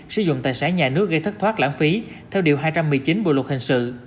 sử dụng tài sản nhà nước gây thất thoát lãng phí theo điều hai trăm một mươi chín bộ luật hình sự